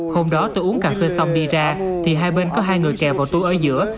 hôm đó tôi uống cà phê xong đi ra thì hai bên có hai người kè vào túi ở giữa